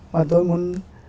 mà tôi muốn